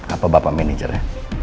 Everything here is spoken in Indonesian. apa bapak manajernya